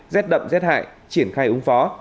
rét đậm rét hại triển khai ứng phó